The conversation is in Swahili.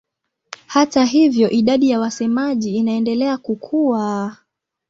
Hata hivyo idadi ya wasemaji inaendelea kukua.